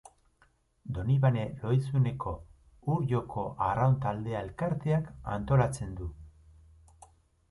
Donibane Lohizuneko Ur Joko Arraun Taldea elkarteak antolatzen du.